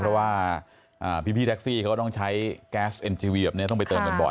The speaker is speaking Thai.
เพราะว่าอ่าพี่พี่แท็กซี่เขาก็ต้องใช้แก๊สเอ็นทรีวีท์อย่างเนี้ย